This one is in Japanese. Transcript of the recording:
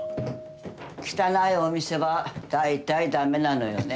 汚いお店は大体駄目なのよね。